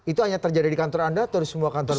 itu hanya terjadi di kantor anda atau di semua kantor